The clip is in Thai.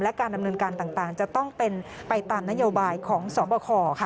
และการดำเนินการต่างจะต้องเป็นไปตามนโยบายของสบคค่ะ